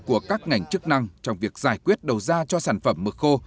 của các ngành chức năng trong việc giải quyết đầu ra cho sản phẩm mực khô